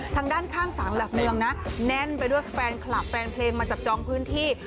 ทางด้านข้างสารหลักเมืองนะแน่นไปด้วยแฟนคลับแฟนเพลงมาจับจองพื้นที่